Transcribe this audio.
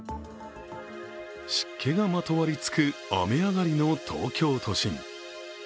湿気がまとわりつく雨上がりの東京都心。